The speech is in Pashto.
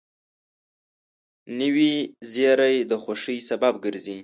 نوې زېری د خوښۍ سبب ګرځي